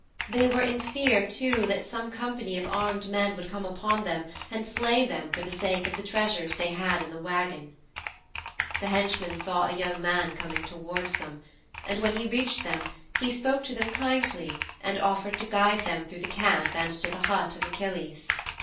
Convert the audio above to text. They were in fear too that some company of armed men would come upon them and slay them for the sake of the treasures they had in the wagon.' 'The henchman saw a young man coming towards them. And when he reached them he spoke to them kindly and offered to guide them through the camp and to the hut of Achilles.